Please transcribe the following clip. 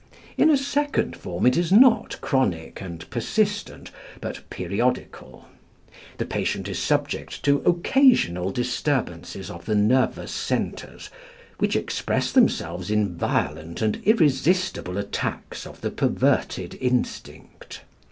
In a second form it is not chronic and persistent, but periodical. The patient is subject to occasional disturbances of the nervous centres, which express themselves in violent and irresistible attacks of the perverted instinct.